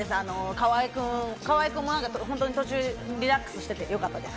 河合君、途中リラックスしていてよかったです。